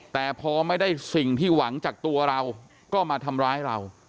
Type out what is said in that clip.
แต่พอไม่ได้สิ่งที่หวังจากตัวเราก็มาทำร้ายเรา